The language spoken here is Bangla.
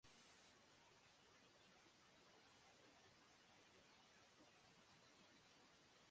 তিনি সাম-গ্রুব-ত্সে দুর্গে বসবাস করতেন।